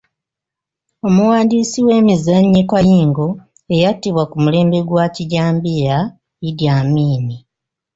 Omuwandiisi w’emizannyo kayingo eyattibwa ku mulembe gwa Kijambiya Idi Amin .